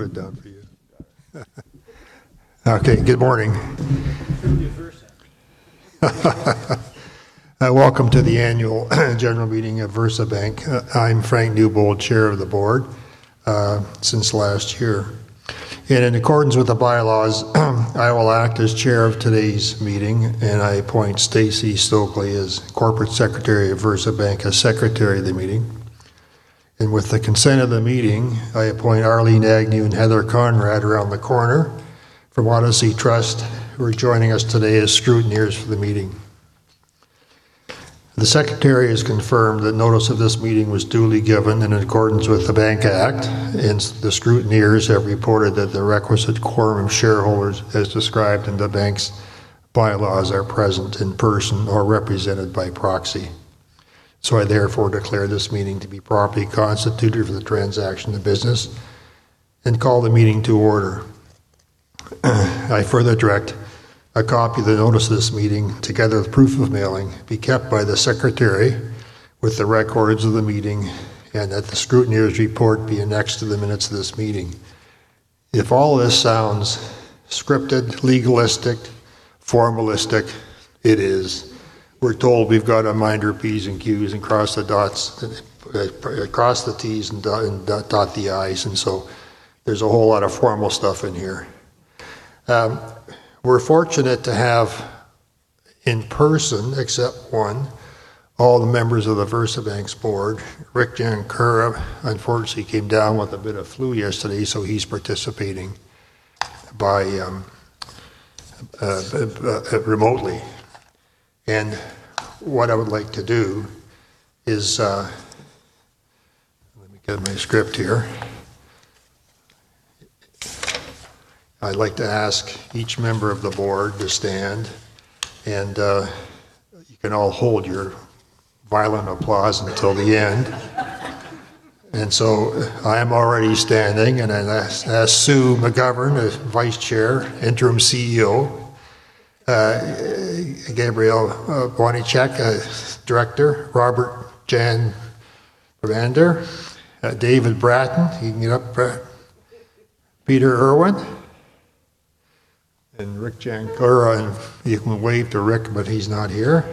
Put it down for you. Okay. Good morning. Welcome to the annual general meeting of VersaBank. I'm Frank Newbould, Chair of the Board, since last year. In accordance with the by-laws, I will act as Chair of today's meeting, and I appoint Stacy Stokley as corporate secretary of VersaBank, as secretary of the meeting. With the consent of the meeting, I appoint Arlene Agnew and Heather Conrad around the corner from Odyssey Trust, who are joining us today as scrutineers for the meeting. The secretary has confirmed that notice of this meeting was duly given in accordance with the Bank Act, and the scrutineers have reported that the requisite quorum of shareholders as described in the bank's by-laws are present in person or represented by proxy. I therefore declare this meeting to be properly constituted for the transaction of business and call the meeting to order. I further direct a copy of the notice of this meeting, together with proof of mailing, be kept by the secretary with the records of the meeting and that the scrutineers' report be annexed to the minutes of this meeting. If all this sounds scripted, legalistic, formalistic, it is. We're told we've got to mind our Ps and Qs and cross the Ts and dot the Is. There's a whole lot of formal stuff in here. We're fortunate to have in person, except one, all the members of the VersaBank's board. Rick Jankura, unfortunately, came down with a bit of flu yesterday, so he's participating remotely. What I would like to do is, let me get my script here. I'd like to ask each member of the board to stand, and you can all hold your violent applause until the end. I am already standing, and I ask Sue McGovern, as Vice Chair, Interim CEO. Gabrielle Bochynek, Director. Robbert-Jan Brabander. David Bratton, you can get up. Peter Irwin. Rick Jankura and you can wave to Rick, but he's not here.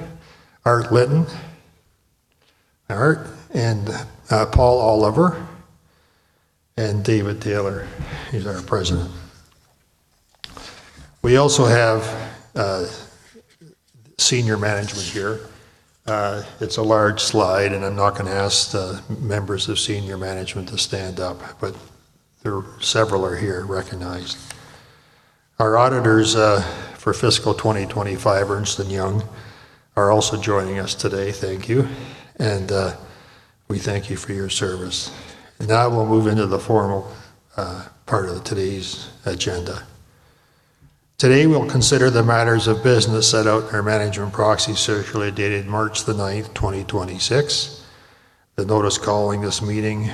Art Linton. Art. Paul Oliver and David Taylor. He's our President. We also have senior management here. It's a large slide, and I'm not going to ask the members of senior management to stand up, but several are here recognized. Our auditors for fiscal 2025, Ernst & Young, are also joining us today. Thank you. We thank you for your service. Now we'll move into the formal part of today's agenda. Today, we'll consider the matters of business set out in our management proxy circulated March 9th, 2026. The notice calling this meeting,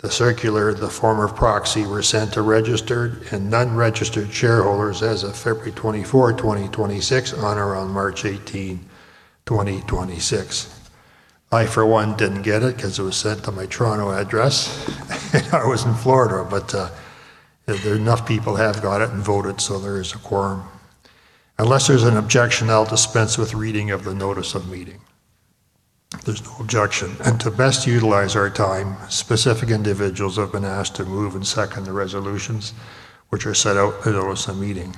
the circular, the form of proxy were sent to registered and non-registered shareholders as of February 24, 2026, on or around March 18, 2026. I, for one, didn't get it because it was sent to my Toronto address. I was in Florida, but enough people have got it and voted, so there is a quorum. Unless there's an objection, I'll dispense with reading of the notice of meeting. There's no objection. To best utilize our time, specific individuals have been asked to move and second the resolutions which are set out in the notice of the meeting.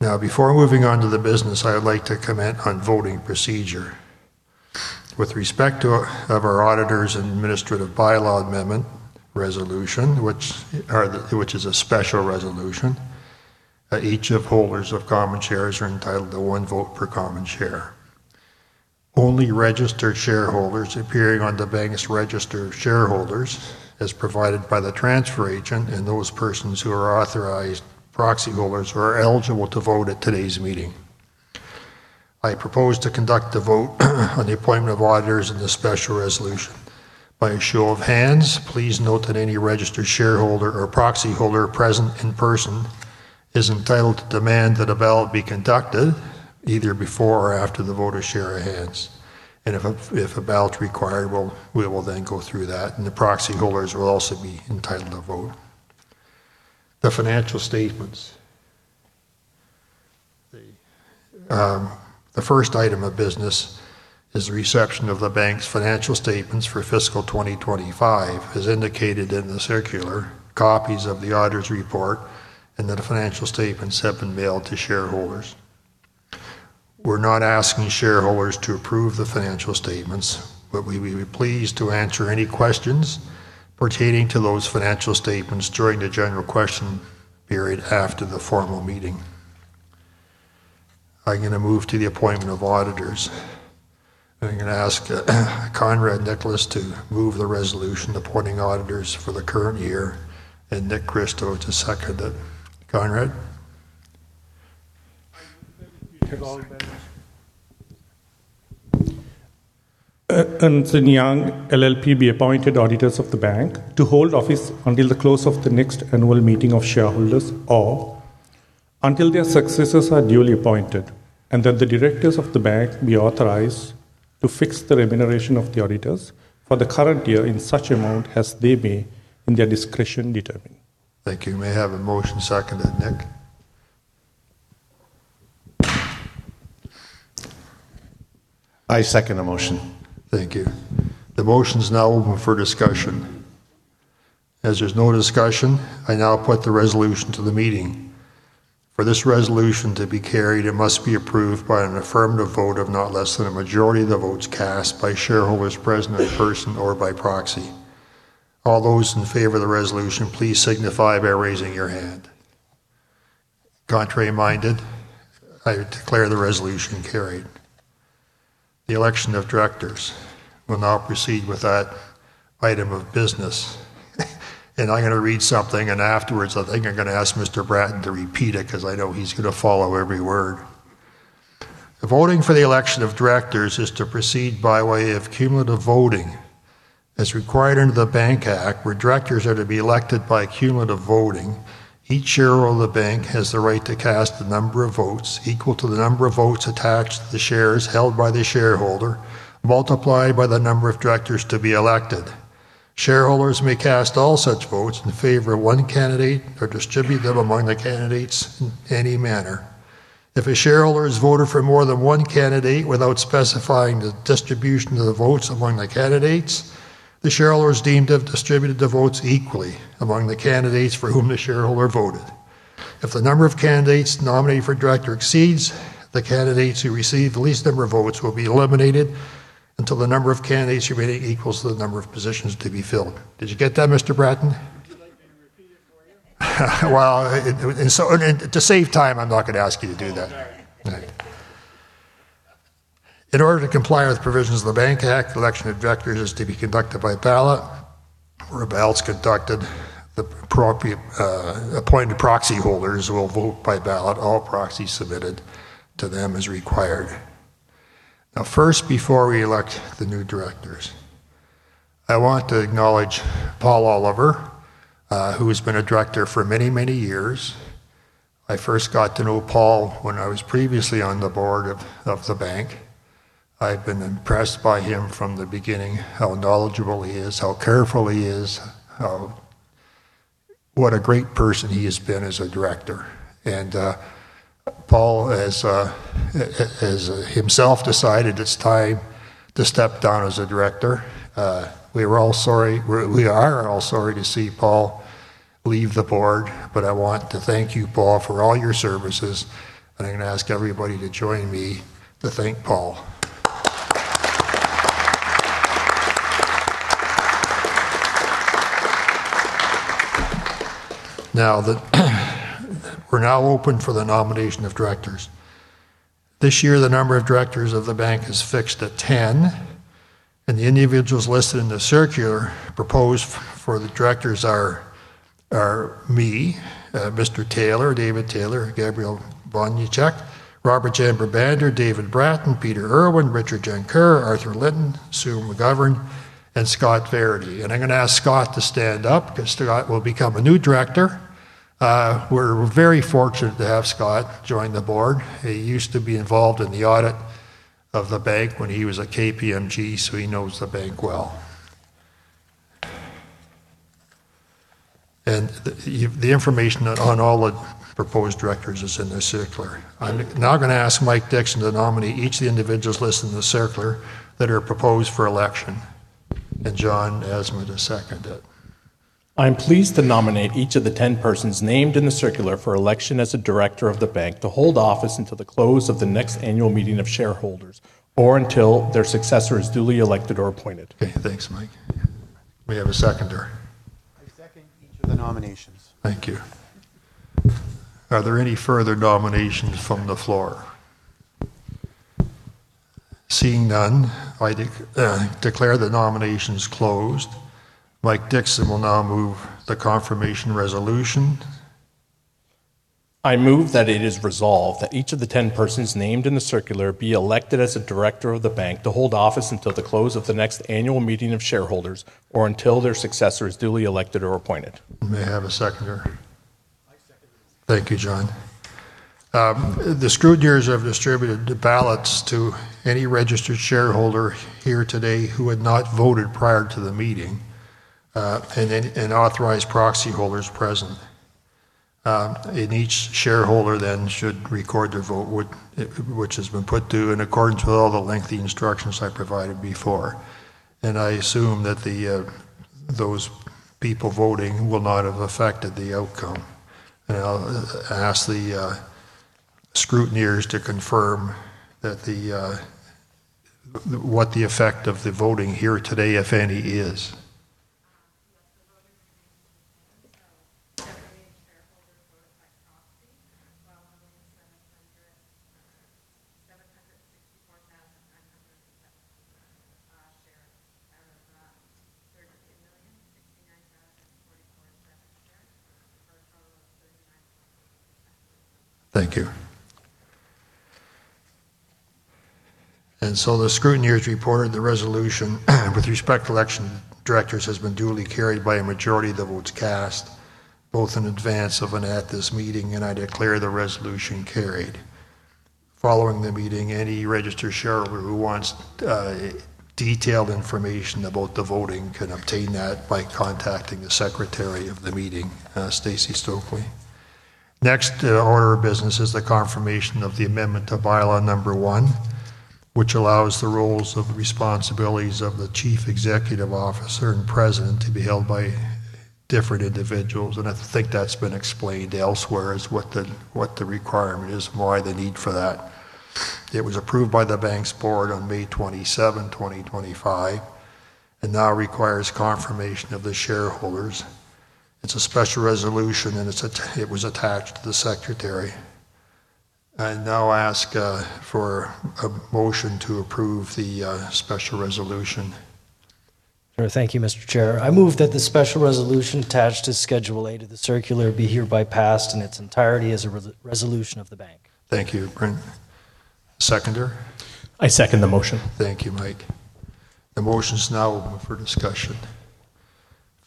Now, before moving on to the business, I would like to comment on voting procedure. With respect to our auditors and administrative by-law amendment resolution, which is a special resolution, each of the holders of common shares are entitled to one vote per common share. Only registered shareholders appearing on the bank's register of shareholders, as provided by the transfer agent, and those persons who are authorized proxy holders who are eligible to vote at today's meeting. I propose to conduct a vote on the appointment of auditors and the special resolution by a show of hands. Please note that any registered shareholder or proxyholder present in person is entitled to demand that a ballot be conducted either before or after the show of hands. If a ballot is required, we will then go through that, and the proxyholders will also be entitled to vote. The financial statements. The first item of business is the reception of the bank's financial statements for fiscal 2025. As indicated in the circular, copies of the auditor's report and the financial statements have been mailed to shareholders. We're not asking shareholders to approve the financial statements, but we will be pleased to answer any questions pertaining to those financial statements during the general question period after the formal meeting. I'm going to move to the appointment of auditors. I'm going to ask Conrad Nicholas to move the resolution appointing auditors for the current year and Nick Kristo to second it. Conrad? I move that Ernst & Young. Take all that. Ernst & Young LLP be appointed auditors of the bank to hold office until the close of the next annual meeting of shareholders or. Until their successors are duly appointed, and that the directors of the bank be authorized to fix the remuneration of the auditors for the current year in such amount as they may in their discretion determine. Thank you. May I have a motion seconded, Nick? I second the motion. Thank you. The motion's now open for discussion. As there's no discussion, I now put the resolution to the meeting. For this resolution to be carried, it must be approved by an affirmative vote of not less than a majority of the votes cast by shareholders present in person or by proxy. All those in favor of the resolution, please signify by raising your hand. Contrary-minded? I declare the resolution carried. The election of directors. We'll now proceed with that item of business. I'm going to read something, and afterwards I think I'm going to ask Mr. Bratton to repeat it, because I know he's going to follow every word. The voting for the election of directors is to proceed by way of cumulative voting. As required under the Bank Act, where directors are to be elected by cumulative voting, each shareholder of the bank has the right to cast the number of votes equal to the number of votes attached to the shares held by the shareholder, multiplied by the number of directors to be elected. Shareholders may cast all such votes in favor of one candidate or distribute them among the candidates in any manner. If a shareholder has voted for more than one candidate without specifying the distribution of the votes among the candidates, the shareholder is deemed to have distributed the votes equally among the candidates for whom the shareholder voted. If the number of candidates nominated for director exceeds, the candidates who receive the least number of votes will be eliminated until the number of candidates remaining equals the number of positions to be filled. Did you get that, Mr. Bratton? Would you like me to repeat it for you? Well, to save time, I'm not going to ask you to do that. Oh, sorry. All right. In order to comply with the provisions of the Bank Act, the election of directors is to be conducted by ballot. Where a ballot is conducted, the appointed proxy holders will vote by ballot all proxies submitted to them as required. Now, first, before we elect the new directors, I want to acknowledge Paul Oliver, who has been a director for many, many years. I first got to know Paul when I was previously on the board of the bank. I've been impressed by him from the beginning, how knowledgeable he is, how careful he is, how what a great person he has been as a director. Paul has himself decided it's time to step down as a director. We are all sorry to see Paul leave the board, but I want to thank you, Paul, for all your services. I'm going to ask everybody to join me to thank Paul. Now, we're now open for the nomination of directors. This year, the number of directors of the bank is fixed at 10, and the individuals listed in the circular proposed for the directors are me, Mr. Taylor, David Taylor, Gabrielle Bochynek, Robbert-Jan Brabander, David Bratton, Peter Irwin, Rick Jankura, Arthur Lipton, Sue McGovern, and Scott Verity. I'm going to ask Scott to stand up because Scott will become a new director. We're very fortunate to have Scott join the board. He used to be involved in the audit of the bank when he was at KPMG, so he knows the bank well. The information on all the proposed directors is in the circular. I'm now going to ask Mike Dixon to nominate each of the individuals listed in the circular that are proposed for election, and John Asma to second it. I am pleased to nominate each of the 10 persons named in the circular for election as a director of the bank to hold office until the close of the next annual meeting of shareholders, or until their successor is duly elected or appointed. Okay, thanks, Mike. May I have a seconder? I second each of the nominations. Thank you. Are there any further nominations from the floor? Seeing none, I declare the nominations closed. Mike Dixon will now move the confirmation resolution. I move that it is resolved that each of the 10 persons named in the circular be elected as a director of the bank to hold office until the close of the next annual meeting of shareholders, or until their successor is duly elected or appointed. May I have a seconder? I second. Thank you, John. The scrutineers have distributed the ballots to any registered shareholder here today who had not voted prior to the meeting, and any authorized proxy holders present. Each shareholder then should record their vote, which has been put due in accordance with all the lengthy instructions I provided before. I assume that those people voting will not have affected the outcome. I'll ask the scrutineers to confirm what the effect of the voting here today, if any, is. Yes. The voting shareholders voted by proxy, while only 764,972 shares out of 38,069,044 shares, for a total of 39.6%. Thank you. The scrutineers reported the resolution with respect to election directors has been duly carried by a majority of the votes cast, both in advance of and at this meeting, and I declare the resolution carried. Following the meeting, any registered shareholder who wants detailed information about the voting can obtain that by contacting the secretary of the meeting, Stacy Stokley. Next order of business is the confirmation of the amendment to by-law number one, which allows the roles and responsibilities of the Chief Executive Officer and President to be held by different individuals. I think that's been explained elsewhere as what the requirement is and why the need for that. It was approved by the bank's board on May 27, 2025, and now requires confirmation of the shareholders. It's a special resolution, and it was attached to the secretary. I now ask for a motion to approve the special resolution. Thank you, Mr. Chair. I move that the special resolution attached to Schedule A to the circular be hereby passed in its entirety as a resolution of the bank. Thank you, Brent. Seconder? I second the motion. Thank you, Mike. The motion is now open for discussion.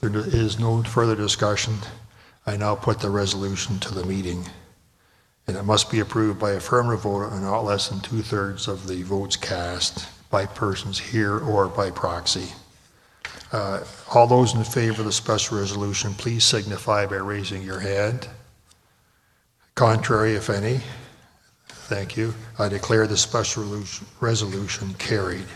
If there is no further discussion, I now put the resolution to the meeting, and it must be approved by affirmative vote and not less than 2/3 of the votes cast by persons here or by proxy. All those in favor of the special resolution, please signify by raising your hand. Contrary, if any? Thank you. I declare the special resolution carried.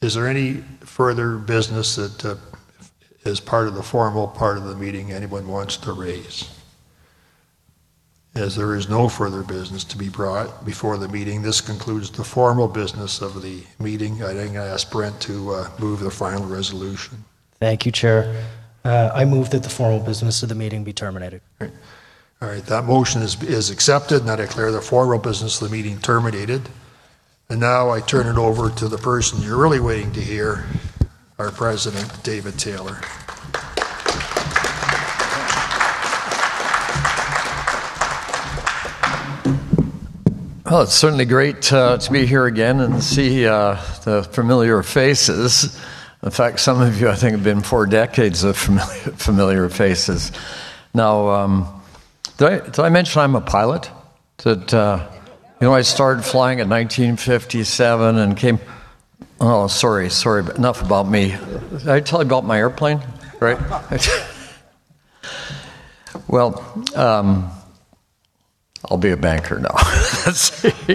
Is there any further business that is part of the formal part of the meeting anyone wants to raise? As there is no further business to be brought before the meeting, this concludes the formal business of the meeting. I think I ask Brent to move the final resolution. Thank you, Chair. I move that the formal business of the meeting be terminated. All right. That motion is accepted, and I declare the formal business of the meeting terminated. Now I turn it over to the person you're really waiting to hear, our President, David Taylor. Well, it's certainly great to be here again and see the familiar faces. In fact, some of you, I think, have been four decades of familiar faces. Now, did I mention I'm a pilot? You know, I started flying in 1957. Oh, sorry. Enough about me. Did I tell you about my airplane? Right? Well, I'll be a banker now. `The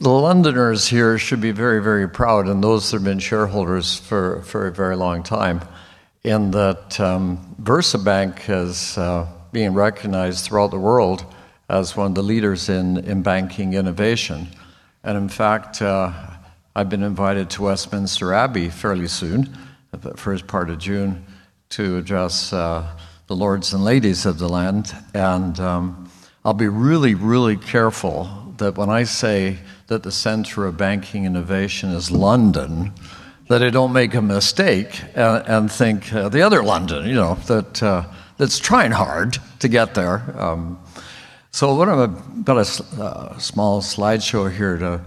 Londoners here should be very, very proud, and those that have been shareholders for a very long time, in that VersaBank has been recognized throughout the world as one of the leaders in banking innovation. In fact, I've been invited to Westminster Abbey fairly soon, the first part of June, to address the lords and ladies of the land. I'll be really, really careful that when I say that the center of banking innovation is London, that I don't make a mistake, and think the other London, that's trying hard to get there. I've got a small slideshow here to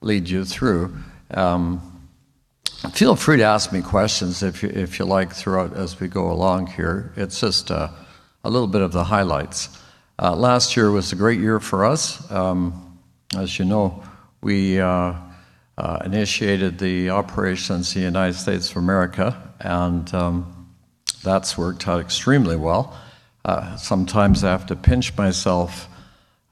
lead you through. Feel free to ask me questions if you like, throughout, as we go along here. It's just a little bit of the highlights. Last year was a great year for us. As you know, we initiated the operations in the United States of America, and that's worked out extremely well. Sometimes I have to pinch myself,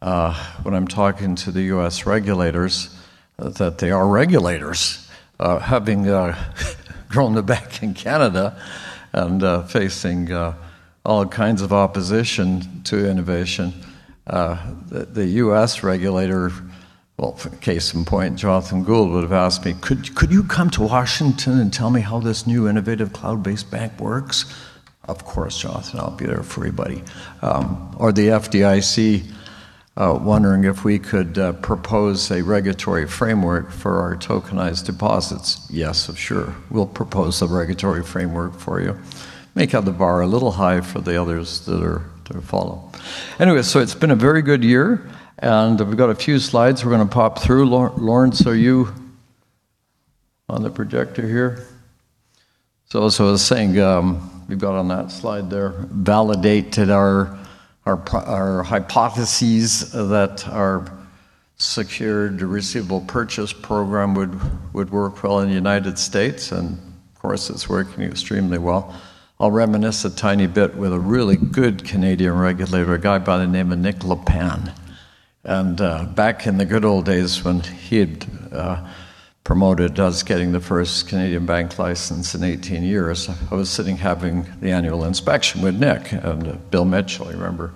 when I'm talking to the U.S. regulators, that they are regulators. Having grown the bank in Canada and facing all kinds of opposition to innovation, the U.S. regulator, well, case in point, Jonathan Gould would have asked me, "Could you come to Washington and tell me how this new innovative cloud-based bank works?" "Of course, Jonathan, I'll be there for you, buddy." Or the FDIC, wondering if we could propose a regulatory framework for our tokenized deposits. "Yes. Sure. We'll propose a regulatory framework for you." Make the bar a little high for the others that are to follow. Anyway, it's been a very good year, and we've got a few slides we're going to pop through. Lawrence, are you on the projector here? As I was saying, we've got on that slide there, validated our hypotheses that our securitized receivable program would work well in the United States, and of course, it's working extremely well. I'll reminisce a tiny bit with a really good Canadian regulator, a guy by the name of Nick Le Pan. Back in the good old days when he'd promoted us getting the first Canadian bank license in 18 years, I was sitting having the annual inspection with Nick and Bill Mitchell. I remember.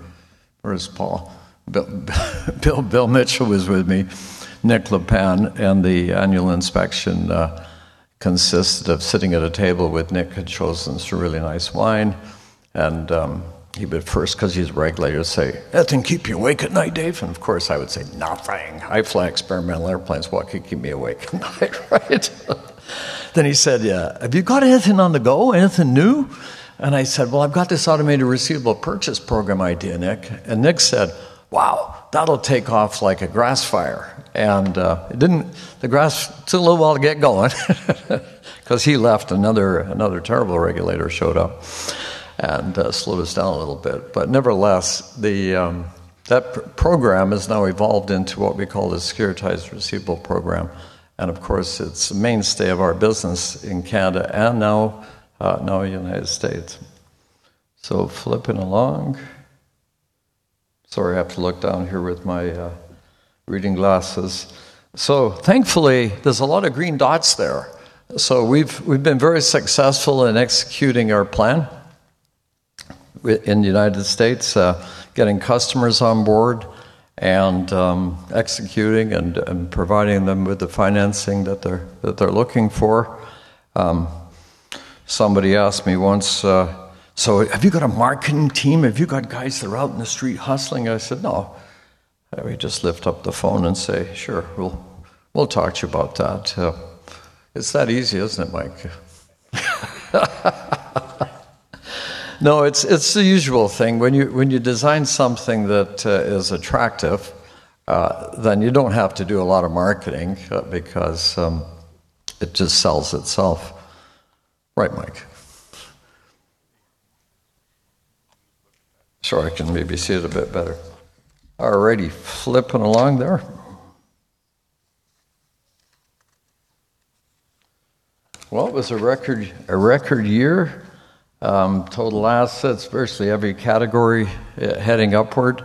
Where is Paul? Bill Mitchell was with me, Nick Le Pan, and the annual inspection consists of sitting at a table with Nick, who'd chosen some really nice wine, and he would first, because he's a regulator, say, "Anything keep you awake at night, Dave?" Of course, I would say, "Nothing. I fly experimental airplanes. What could keep me awake at night?" Right? He said, "Yeah. Have you got anything on the go? Anything new?" I said, "Well, I've got this automated Receivable Purchase Program idea, Nick." Nick said, "Wow, that'll take off like a grass fire." The grass took a little while to get going because he left. Another terrible regulator showed up and slowed us down a little bit. Nevertheless, that program has now evolved into what we call the securitized receivable program. Of course, it's a mainstay of our business in Canada and now the United States. Flipping along. Sorry, I have to look down here with my reading glasses. Thankfully, there's a lot of green dots there. We've been very successful in executing our plan within United States, getting customers on board and executing and providing them with the financing that they're looking for. Somebody asked me once, "So have you got a marketing team?" "Have you got guys that are out in the street hustling?" I said, "No. We just lift up the phone and say, "Sure. We'll talk to you about that." It's that easy, isn't it, Mike? No, it's the usual thing. When you design something that is attractive, then you don't have to do a lot of marketing because it just sells itself. Right, Mike? Sorry, I can maybe see it a bit better. All righty. Flipping along there. Well, it was a record year. Total assets, virtually every category heading upward.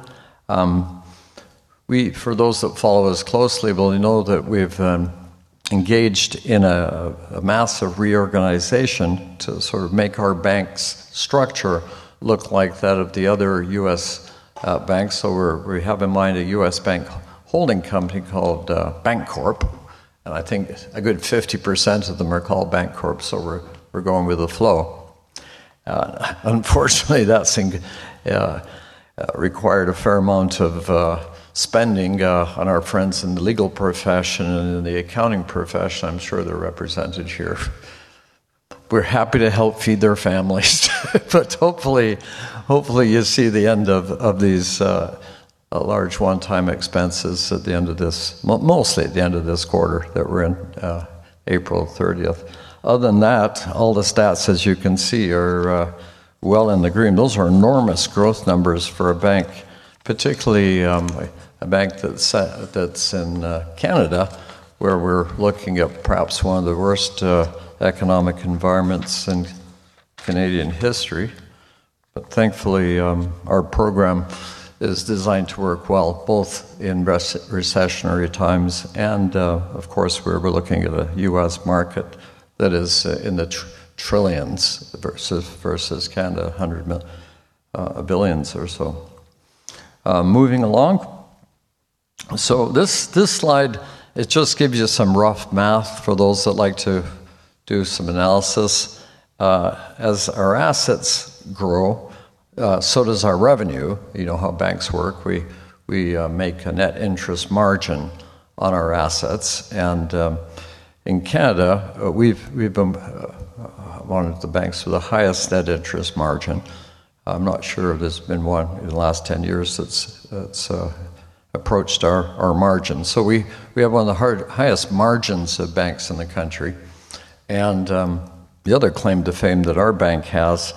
For those that follow us closely will know that we've engaged in a massive reorganization to sort of make our bank's structure look like that of the other U.S. banks. We have in mind a U.S. bank holding company called The Bancorp. I think a good 50% of them are called Bancorp, so we're going with the flow. Unfortunately, that thing required a fair amount of spending on our friends in the legal profession and in the accounting profession. I'm sure they're represented here. We're happy to help feed their families, but hopefully you'll see the end of these large one-time expenses at the end of this quarter that we're in, April 30th. Other than that, all the stats, as you can see, are well in the green. Those are enormous growth numbers for a bank, particularly a bank that's in Canada, where we're looking at perhaps one of the worst economic environments in Canadian history. Thankfully, our program is designed to work well both in recessionary times and, of course, where we're looking at a U.S. market that is in the trillions versus Canada, hundreds of billions or so. Moving along. This slide, it just gives you some rough math for those that like to do some analysis. As our assets grow, so does our revenue. You know how banks work. We make a net interest margin on our assets. In Canada, we've been one of the banks with the highest net interest margin. I'm not sure there's been one in the last 10 years that's approached our margin. We have one of the highest margins of banks in the country. The other claim to fame that our bank has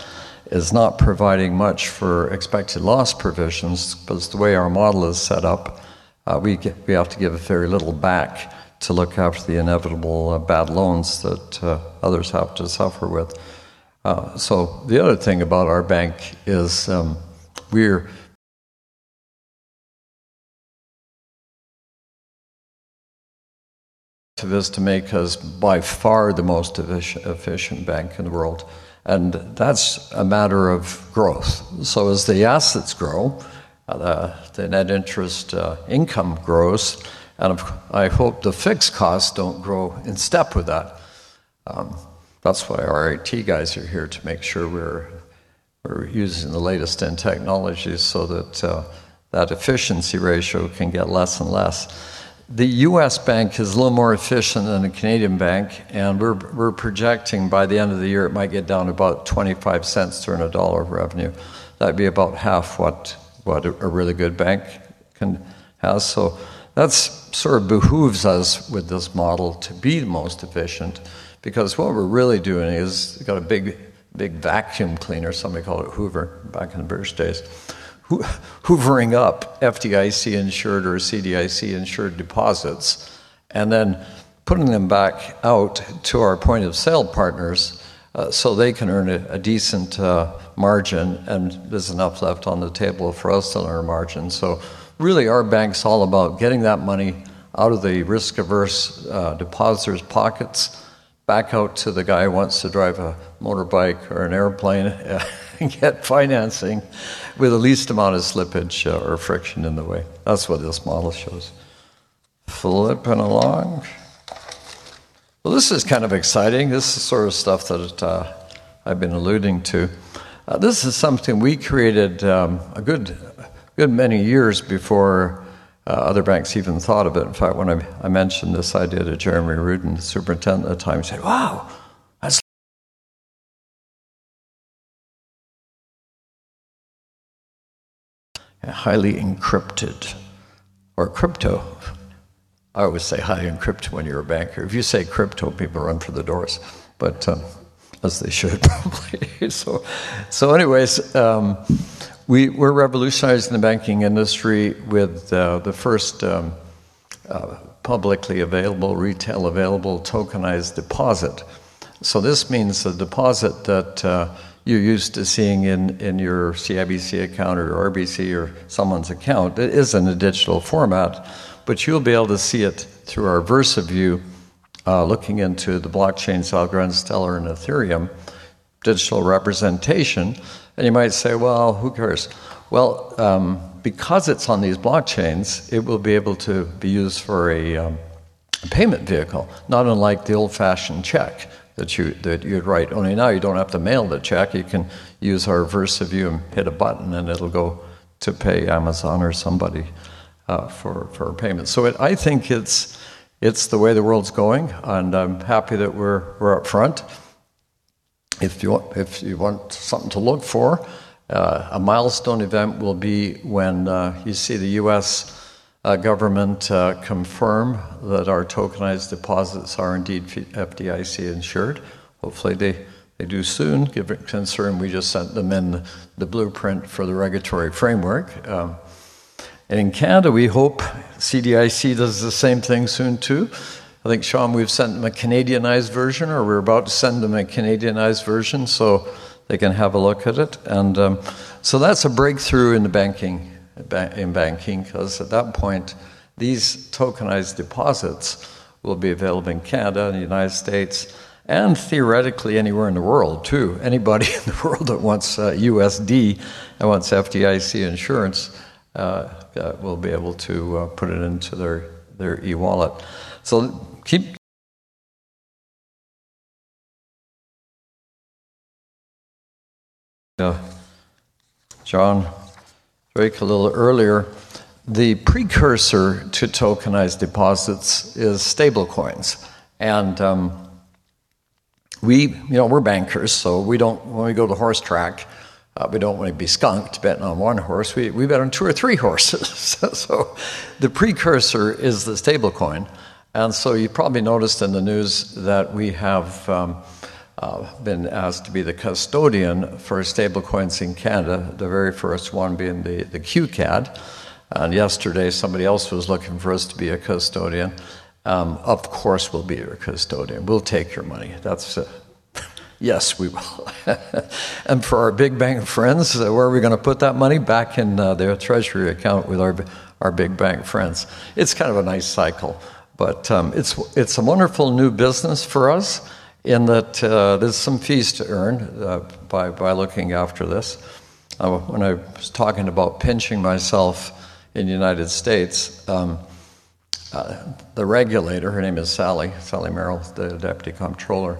is not providing much for expected loss provisions, because the way our model is set up, we have to give very little back to look after the inevitable bad loans that others have to suffer with. The other thing about our bank is we do this to make us by far the most efficient bank in the world, and that's a matter of growth. As the assets grow, the net interest income grows, and I hope the fixed costs don't grow in step with that. That's why our IT guys are here to make sure we're using the latest in technology so that efficiency ratio can get less and less. The U.S. bank is a little more efficient than a Canadian bank, and we're projecting by the end of the year it might get down to about $0.25 to earn $1 of revenue. That'd be about half what a really good bank has. That sort of behooves us with this model to be the most efficient because what we're really doing is we've got a big vacuum cleaner, some may call it a Hoover, back in the British days, Hoovering up FDIC-insured or CDIC-insured deposits and then putting them back out to our point-of-sale partners so they can earn a decent margin, and there's enough left on the table for us to earn our margin. Really, our bank's all about getting that money out of the risk-averse depositors' pockets back out to the guy who wants to drive a motorbike or an airplane and get financing with the least amount of slippage or friction in the way. That's what this model shows. Flipping along. Well, this is kind of exciting. This is the sort of stuff that I've been alluding to. This is something we created a good many years before other banks even thought of it. In fact, when I mentioned this idea to Jeremy Rudin, the superintendent at the time, he said, "Wow, that's highly encrypted or crypto." I always say highly encrypted when you're a banker. If you say crypto, people run for the doors, but as they should probably. Anyways, we're revolutionizing the banking industry with the first publicly available, retail available tokenized deposit. This means the deposit that you're used to seeing in your CIBC account or RBC or someone's account, it is in a digital format, but you'll be able to see it through our VersaView looking into the blockchain, so Algorand, Stellar, and Ethereum digital representation. You might say, "Well, who cares?" Well, because it's on these blockchains, it will be able to be used for a payment vehicle, not unlike the old-fashioned check that you'd write. Only now you don't have to mail the check. You can use our VersaView and hit a button, and it'll go to pay Amazon or somebody for payment. I think it's the way the world's going, and I'm happy that we're up front. If you want something to look for, a milestone event will be when you see the U.S. government confirm that our tokenized deposits are indeed FDIC-insured. Hopefully, they do soon considering we just sent them in the blueprint for the regulatory framework. In Canada, we hope CDIC does the same thing soon too. I think, Shah, we've sent them a Canadianized version, or we're about to send them a Canadianized version so they can have a look at it. That's a breakthrough in banking, because at that point, these tokenized deposits will be available in Canada and the United States, and theoretically anywhere in the world too. Anybody in the world that wants USD and wants FDIC insurance will be able to put it into their e-wallet. John, for little earlier. The precursor to tokenized deposits is stablecoins. We're bankers, so when we go to the horse track, we don't want to be skunked betting on one horse. We bet on two or three horses. The precursor is the stablecoin. You probably noticed in the news that we have been asked to be the custodian for stablecoins in Canada, the very first one being the QCAD. Yesterday, somebody else was looking for us to be a custodian. Of course, we'll be your custodian. We'll take your money. Yes, we will. For our big bank friends, where are we going to put that money? Back in their treasury account with our big bank friends. It's kind of a nice cycle. It's a wonderful new business for us in that there's some fees to earn by looking after this. When I was talking about pinching myself in the United States, the regulator, her name is Sally Merrill, the Deputy Comptroller.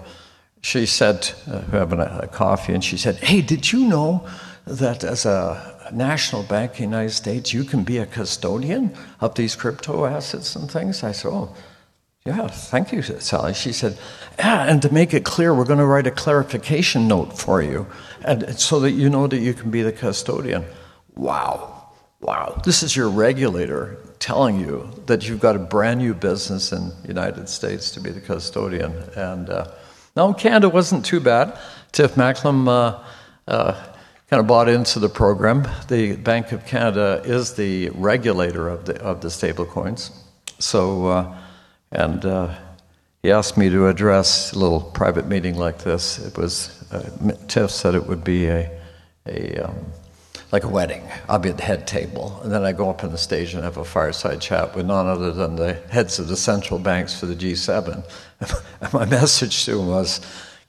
We're having a coffee, and she said, "Hey, did you know that as a national bank in the United States, you can be a custodian of these crypto assets and things?" I said, "Oh, yeah. Thank you, Sally." She said, "And to make it clear, we're going to write a clarification note for you, and so that you know that you can be the custodian." Wow. This is your regulator telling you that you've got a brand-new business in the United States to be the custodian. Now Canada wasn't too bad. Tiff Macklem kind of bought into the program. The Bank of Canada is the regulator of the stablecoins. He asked me to address a little private meeting like this. Tiff said it would be like a wedding. I'll be at the head table, and then I go up on the stage and have a fireside chat with none other than the heads of the central banks for the G7. My message to them was,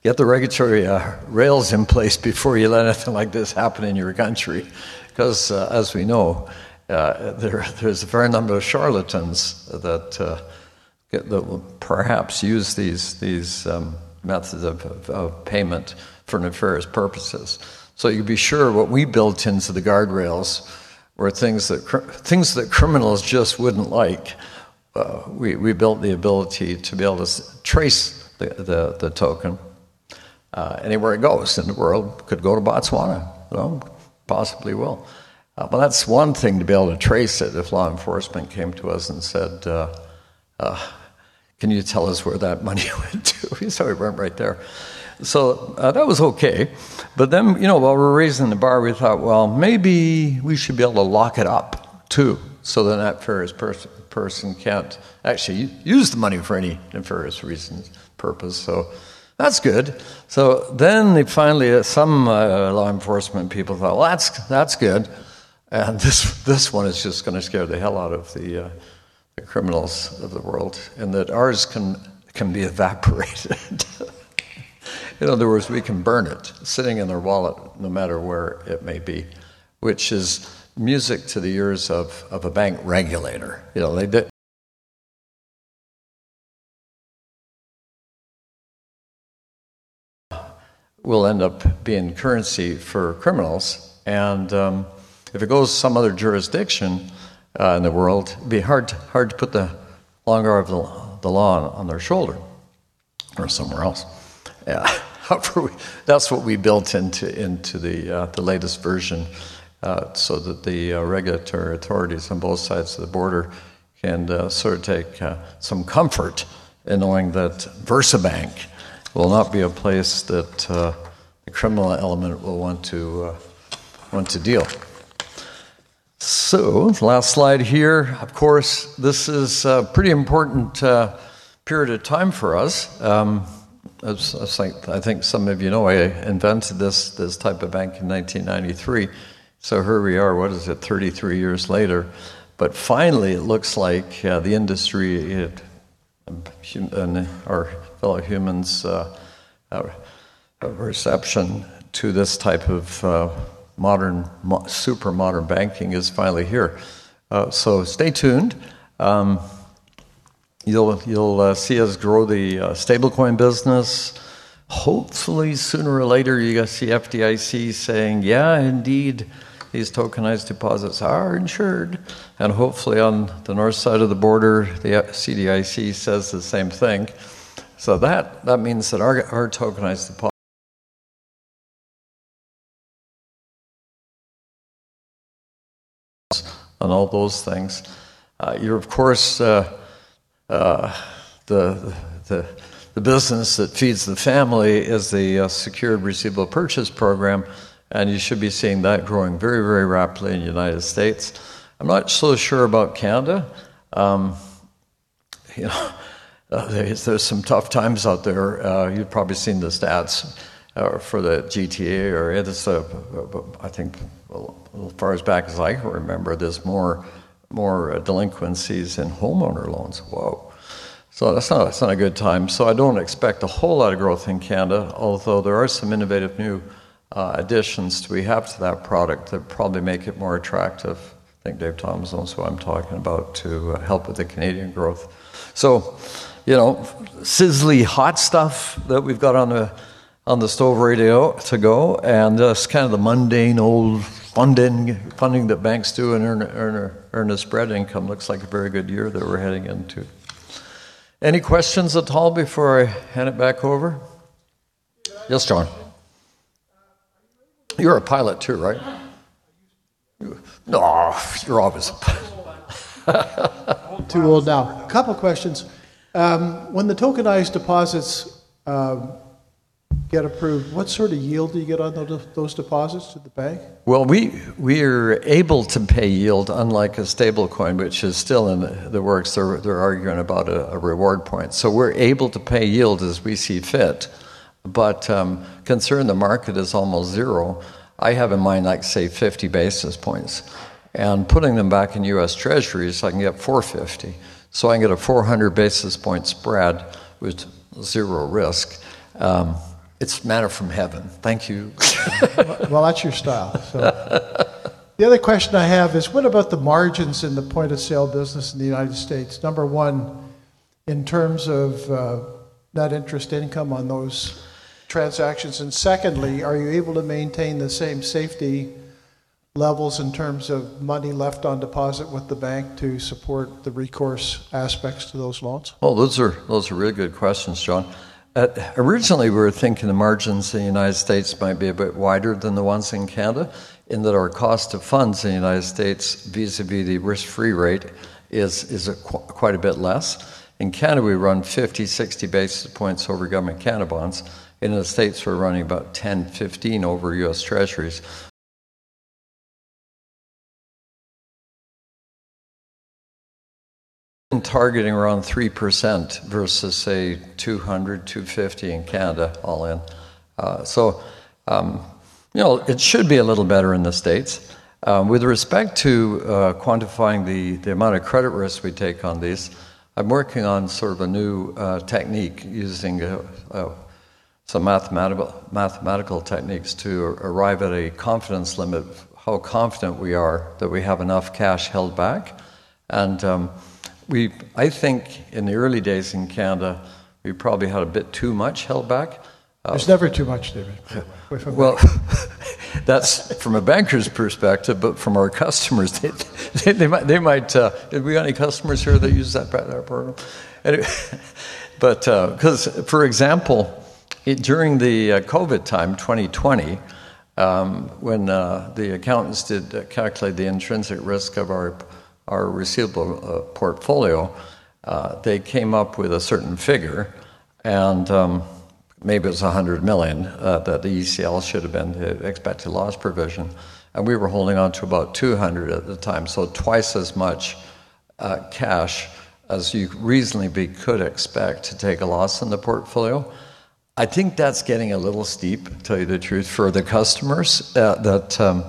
"Get the regulatory rails in place before you let anything like this happen in your country." Because as we know, there's a fair number of charlatans that will perhaps use these methods of payment for nefarious purposes. You can be sure what we built into the guardrails were things that criminals just wouldn't like. We built the ability to be able to trace the token anywhere it goes in the world. Could go to Botswana. Possibly will. That's one thing to be able to trace it if law enforcement came to us and said, "Can you tell us where that money went to?" We'd say, "We went right there." That was okay. While we're raising the bar, we thought, well, maybe we should be able to lock it up too, so then that nefarious person can't actually use the money for any nefarious purpose. That's good. Finally, some law enforcement people thought, well, that's good. This one is just going to scare the hell out of the criminals of the world, and that ours can be evaporated. In other words, we can burn it sitting in their wallet no matter where it may be, which is music to the ears of a bank regulator. They will end up being currency for criminals. If it goes to some other jurisdiction in the world, it'd be hard to put the honor of the law on their shoulder or somewhere else. Hopefully, that's what we built into the latest version, so that the regulatory authorities on both sides of the border can take some comfort in knowing that VersaBank will not be a place that the criminal element will want to deal. Last slide here, of course, this is a pretty important period of time for us. As I think some of you know, I invented this type of bank in 1993. Here we are, what is it, 33 years later. Finally, it looks like the industry and our fellow humans' reception to this type of super modern banking is finally here. Stay tuned. You'll see us grow the stablecoin business. Hopefully, sooner or later, you're going to see FDIC saying, "Yeah, indeed, these tokenized deposits are insured." Hopefully on the north side of the border, the CDIC says the same thing. That means that our tokenized deposits on all those things. Of course, the business that feeds the family is the securitized Receivable Purchase Program, and you should be seeing that growing very rapidly in the United States. I'm not so sure about Canada. There's some tough times out there. You've probably seen the stats for the GTA area. I think as far back as I can remember, there's more delinquencies in homeowner loans. Whoa. That's not a good time. I don't expect a whole lot of growth in Canada, although there are some innovative new additions we have to that product that probably make it more attractive. I think Dave Thoms knows what I'm talking about to help with the Canadian growth. Sizzly hot stuff that we've got on the stove ready to go, and just kind of the mundane old funding that banks do and earn a spread income. Looks like a very good year that we're heading into. Any questions at all before I hand it back over? Yes, John. You're a pilot, too, right? I used to be. No, you're obviously a pilot. Too old now. Couple questions. When the tokenized deposits get approved, what sort of yield do you get on those deposits to the bank? Well, we're able to pay yield unlike a stablecoin, which is still in the works. They're arguing about a reward point. We're able to pay yield as we see fit. Considering the market is almost zero, I have in mind, say, 50 basis points. Putting them back in U.S. Treasuries, I can get 450. I can get a 400 basis point spread with zero risk. It's manna from heaven. Thank you. Well, that's your style, so. The other question I have is what about the margins in the point-of-sale business in the United States? Number one, in terms of net interest income on those transactions, and secondly, are you able to maintain the same safety levels in terms of money left on deposit with the bank to support the recourse aspects to those loans? Well, those are really good questions, John. Originally, we were thinking the margins in the United States might be a bit wider than the ones in Canada, in that our cost of funds in the United States vis-à-vis the risk-free rate is quite a bit less. In Canada, we run 50-60 basis points over Government Canada bonds. In the States, we're running about 10-15 over US Treasuries. Targeting around 3% versus, say, 200-250 in Canada, all in. It should be a little better in the States. With respect to quantifying the amount of credit risk we take on these, I'm working on a new technique using some mathematical techniques to arrive at a confidence limit, how confident we are that we have enough cash held back. I think in the early days in Canada, we probably had a bit too much held back. There's never too much, David. Well, that's from a banker's perspective. From our customers, they might. Do we have any customers here that use that part of our program? Because, for example, during the COVID time, 2020, when the accountants did calculate the intrinsic risk of our receivable portfolio, they came up with a certain figure, and maybe it was 100 million, that the ECL should have been, the expected loss provision. We were holding on to about 200 million at the time. Twice as much cash as you reasonably could expect to take a loss on the portfolio. I think that's getting a little steep, to tell you the truth, for the customers. I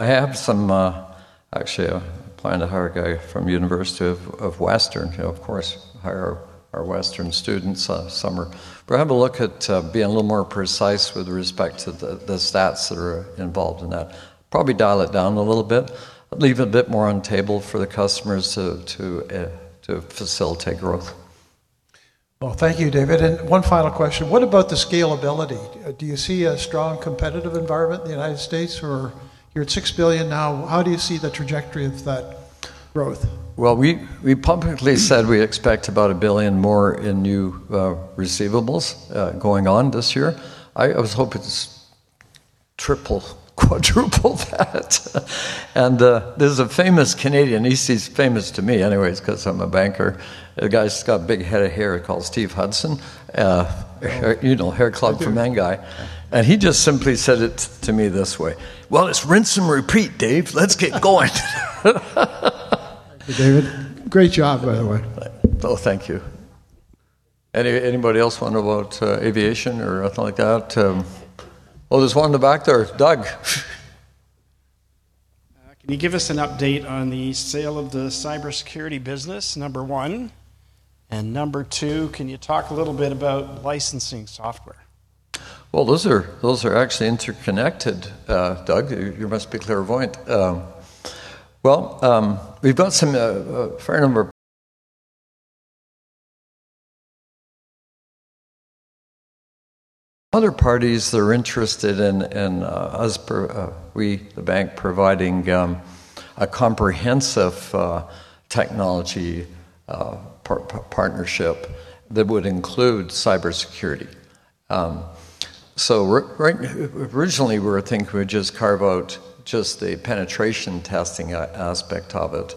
have some. Actually, I plan to hire a guy from University of Western. Of course, hire our Western students summer. Probably have a look at being a little more precise with respect to the stats that are involved in that. Probably dial it down a little bit, leave a bit more on the table for the customers to facilitate growth. Well, thank you, David. One final question. What about the scalability? Do you see a strong competitive environment in the United States? You're at 6 billion now. How do you see the trajectory of that growth? Well, we publicly said we expect about 1 billion more in new receivables going on this year. I was hoping to triple, quadruple that. There's a famous Canadian, he's famous to me anyways because I'm a banker. The guy's got a big head of hair called Steve Hudson. Hair Club for Men guy. He just simply said it to me this way. "Well, it's rinse and repeat, Dave. Let's get going. Thank you, David. Great job, by the way. Oh, thank you. Anybody else wonder about aviation or anything like that? Oh, there's one in the back there. Doug. Can you give us an update on the sale of the cybersecurity business, number one? Number two, can you talk a little bit about licensing software? Well, those are actually interconnected, Doug. You must be clairvoyant. Well, we've got a fair number of other parties that are interested in us, the bank, providing a comprehensive technology partnership that would include cybersecurity. Originally, we were thinking we would just carve out the penetration testing aspect of it.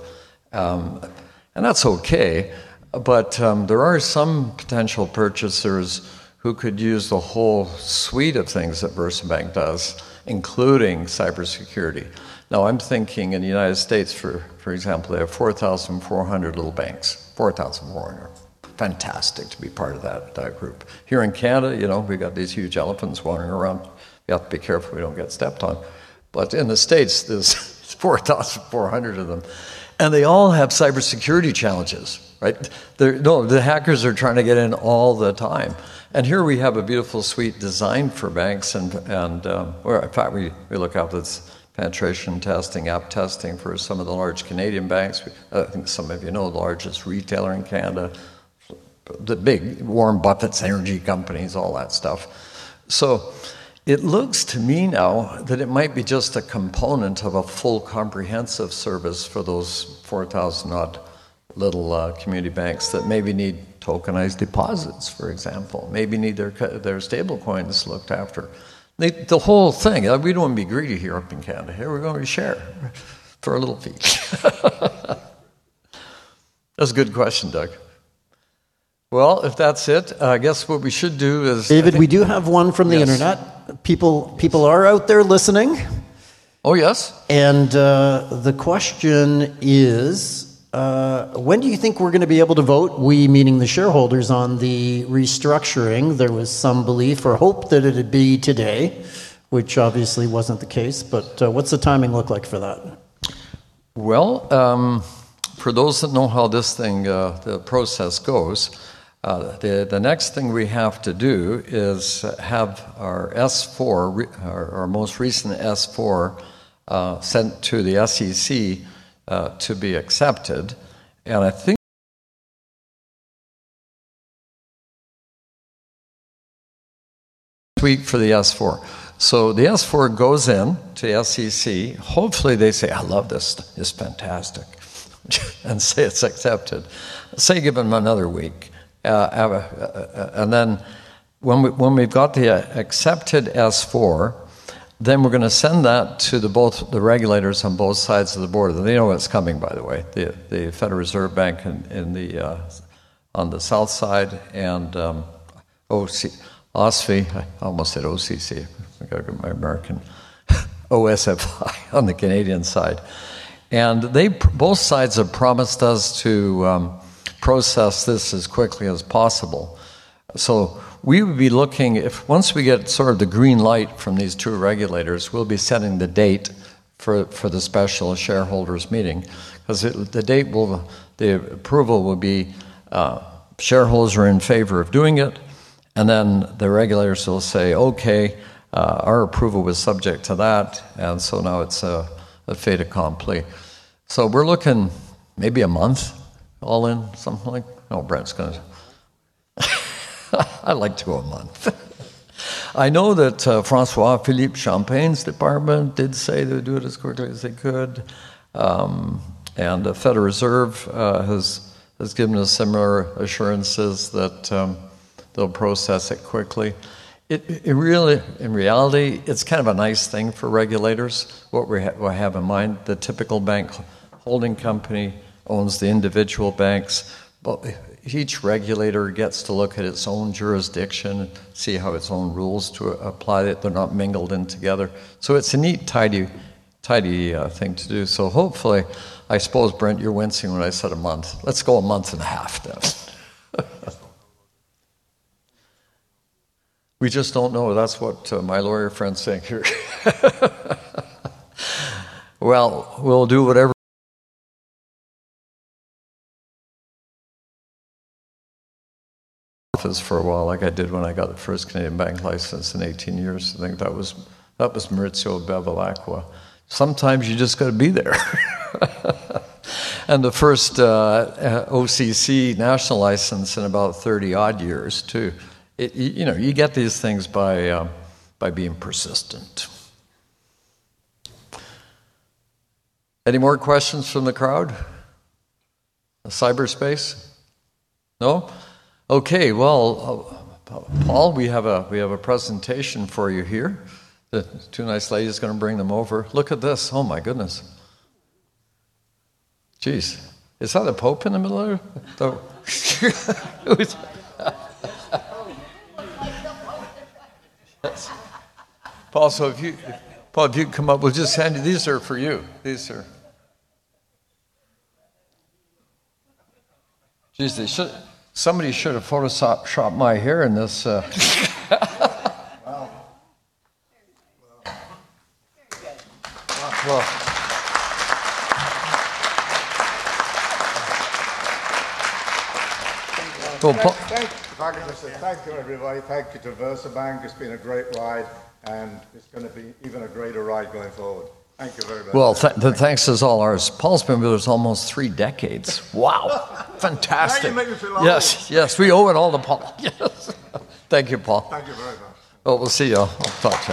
That's okay, but there are some potential purchasers who could use the whole suite of things that VersaBank does, including cybersecurity. Now I'm thinking in the United States, for example, they have 4,400 little banks. 4,400. Fantastic to be part of that group. Here in Canada, we've got these huge elephants wandering around. You have to be careful we don't get stepped on. In the States, there's 4,400 of them, and they all have cybersecurity challenges, right? The hackers are trying to get in all the time. Here we have a beautiful suite designed for banks, and in fact, we look after the penetration testing, app testing for some of the large Canadian banks. I think some of you know, the largest retailer in Canada. Warren Buffett's energy companies, all that stuff. It looks to me now that it might be just a component of a full comprehensive service for those 4,000-odd little community banks that maybe need tokenized deposits, for example, maybe need their stablecoins looked after. The whole thing. We don't want to be greedy here up in Canada. Here, we're going to share for a little fee. That's a good question, Doug. Well, if that's it, I guess what we should do is- David, we do have one from the internet. Yes. People are out there listening. Oh, yes. The question is: when do you think we're going to be able to vote, we meaning the shareholders, on the restructuring? There was some belief or hope that it'd be today, which obviously wasn't the case, but what's the timing look like for that? Well, for those that know how this thing, the process goes, the next thing we have to do is have our most recent S4 sent to the SEC to be accepted. I think a week for the S4. The S4 goes into the SEC. Hopefully, they say, "I love this. It's fantastic," and say it's accepted. Say, give them another week. Then when we've got the accepted S4, we're going to send that to both the regulators on both sides of the border. They know it's coming, by the way. The Federal Reserve Bank on the south side and OSFI. I almost said OCC. I got to get my American OSFI on the Canadian side. Both sides have promised us to process this as quickly as possible. We would be looking, if once we get sort of the green light from these two regulators, we'll be setting the date for the special shareholders meeting. Because the date, the approval will be shareholders are in favor of doing it, and then the regulators will say, "Okay, our approval was subject to that," and so now it's a fait accompli. We're looking maybe a month all in. I'd like to go a month. I know that François-Philippe Champagne's department did say they'd do it as quickly as they could. The Federal Reserve has given us similar assurances that they'll process it quickly. In reality, it's kind of a nice thing for regulators, what I have in mind. The typical bank holding company owns the individual banks, but each regulator gets to look at its own jurisdiction and see how its own rules apply, that they're not mingled in together. It's a neat, tidy thing to do. Hopefully, I suppose, Brent, you're wincing when I said a month. Let's go a month and a half then. We just don't know. That's what my lawyer friend's saying here. Well, we'll do whatever it takes for a while, like I did when I got the first Canadian bank license in 18 years. I think that was Maurizio Bevilacqua. Sometimes you just got to be there. The first OCC national license in about 30-odd years, too. You get these things by being persistent. Any more questions from the crowd? Cyberspace? No? Okay. Well, Paul, we have a presentation for you here. The two nice ladies are going to bring them over. Look at this. Oh, my goodness. Geez. Is that a pope in the middle there? You do look like the pope. Paul, if you can come up, we'll just hand you. These are for you. Geez, somebody should have photoshopped my hair in this. Wow. Very nice. Well... If I could just say thank you, everybody. Thank you to VersaBank. It's been a great ride, and it's going to be even a greater ride going forward. Thank you very much. Well, the thanks is all ours. Paul's been with us almost three decades. Wow. Fantastic. Now you make me feel old. Yes. We owe it all to Paul. Thank you, Paul. Thank you very much. Well, we'll see you. Thanks.